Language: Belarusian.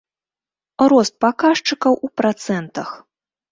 Рост паказчыкаў у працэнтах.